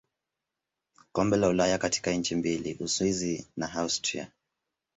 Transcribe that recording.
Kombe la Ulaya katika nchi mbili Uswisi na Austria.